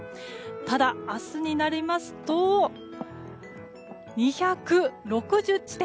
ただ、明日になりますと２６０地点。